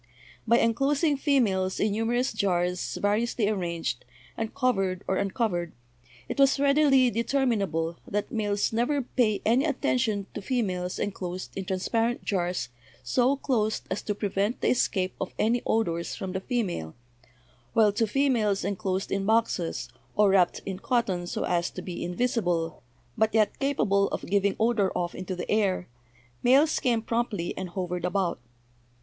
By enclosing females in numerous jars vari ously arranged, and covered or uncovered, it was readily determinable that males never pay any attention to fe males enclosed in transparent jars so closed as to pre vent the escape of any odors from the female, while to females enclosed in boxes, or wrapped in cotton so as to be invisible, but yet capable of giving odor off into the air, males came promptly and hovered about.